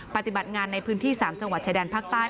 ปฏิบัติงานในพื้นที่๓จังหวัดชายแดนภาคใต้